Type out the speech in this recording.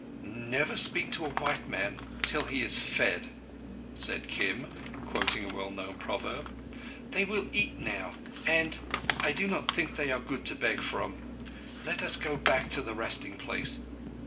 "Never speak to a white man till he is fed," said Kim, quoting a well known proverb. "They will eat now, and—and I do not think they are good to beg from. Let us go back to the resting place.